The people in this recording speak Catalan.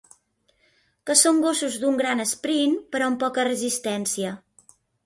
Que són gossos d'un gran esprint però amb poca resistència.